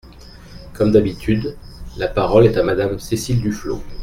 Comme d’habitude ! La parole est à Madame Cécile Duflot.